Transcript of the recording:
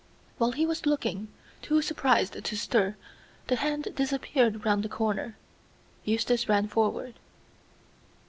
While he was looking, too surprised to stir, the hand disappeared round the corner. Eustace ran forward.